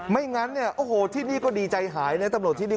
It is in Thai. ไม่งั้นที่นี่ก็ดีใจหายนะตำรวจที่นี่